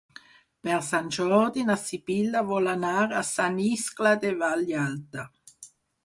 Per Sant Jordi na Sibil·la vol anar a Sant Iscle de Vallalta.